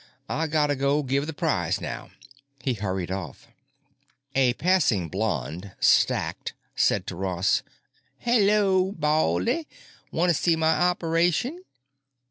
I gotta go give the prize now." He hurried off. A passing blonde, stacked, said to Ross: "Hel looo, baldy. Wanna see my operation?"